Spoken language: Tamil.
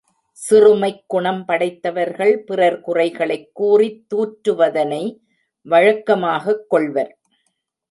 சிறுமைக் குணம் படைத்தவர்கள் பிறர் குறைகளைக் கூறித் தூற்றுவதனை வழக்கமாகக் கொள்வர்.